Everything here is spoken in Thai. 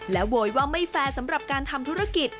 โวยว่าไม่แฟร์สำหรับการทำธุรกิจ